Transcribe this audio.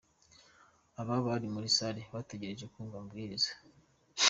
Aba bari muri salle bategereje kumva amabwiriza.